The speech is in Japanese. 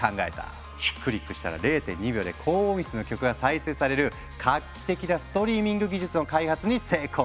クリックしたら０．２秒で高音質の曲が再生される画期的なストリーミング技術の開発に成功！